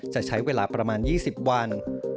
จะใช้เวลาประมาณ๒๐วัน